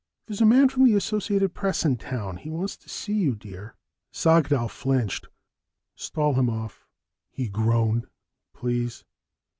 There's a man from the Associated Press in town. He wants to see you, dear." Sagdahl flinched. "Stall him off," he groaned. "Please."